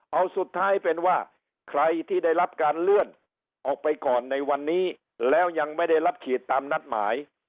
เอาสุดท้ายเป็นว่าใครที่ได้รับการเลื่อนออกไปก่อนในวันนี้แล้วยังไม่ได้รับฉีดตามนัดหมาย